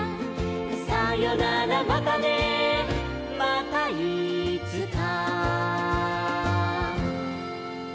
「さよならまたねまたいつか」